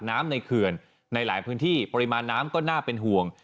น้ำในเขื่อนในหลายพื้นที่ปริมาณน้ำก็น่าเป็นห่วง